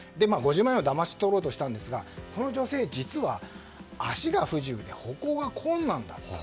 ５０万円をだまし取ろうとしたんですがこの女性、実は足が不自由で歩行が困難だったと。